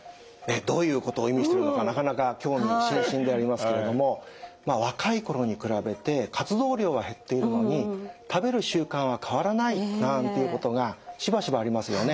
どういうことを意味してるのかなかなか興味津々でありますけれども若い頃に比べて活動量は減っているのに食べる習慣は変わらないなんていうことがしばしばありますよね。